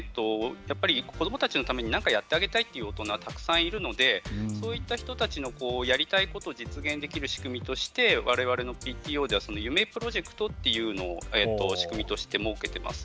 やっぱり子どもたちのために何かやってあげたいという大人はたくさんいるのでそういった人たちのやりたいことを実現できる仕組みとしてわれわれのＰＴＯでは夢プロジェクトっていうのを仕組みとして設けています。